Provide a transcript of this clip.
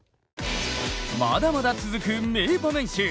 まだまだ続く名場面集！